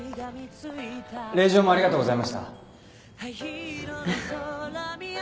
令状もありがとうございました。